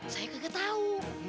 saya enggak tahu